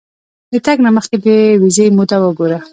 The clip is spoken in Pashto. د تګ نه مخکې د ویزې موده وګوره.